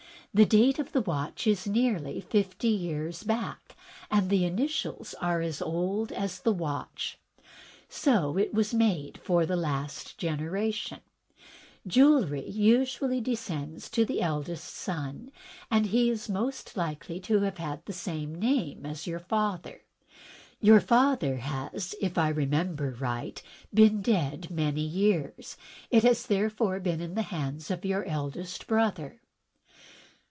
The date of the watch is nearly fifty years back, and the initials are as old as the watch: So it was made for the last generation. Jewellery usually descends to the eldest son, and he is most likely to have the same name as his father. Your father has, if I remember right, been dead many years. It has, therefore, been in the hands of your eldest brother."